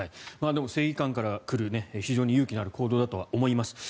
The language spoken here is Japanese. でも正義感から来る非常に勇気のある行動だと思います。